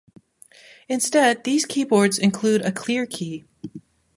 Instead, these keyboards include a "Clear" key.